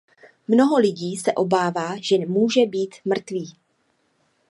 Mnoho lidí se obává, že může být mrtvý.